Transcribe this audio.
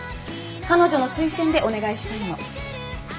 彼女の推薦でお願いしたいの。